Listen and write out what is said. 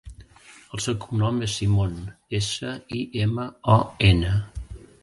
El seu cognom és Simon: essa, i, ema, o, ena.